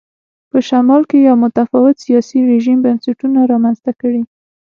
په شمال کې یو متفاوت سیاسي رژیم بنسټونه رامنځته کړي.